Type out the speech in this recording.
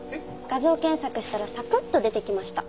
画像検索したらサクッと出てきました。